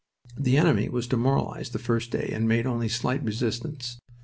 The enemy was demoralized the first day and made only slight resistance.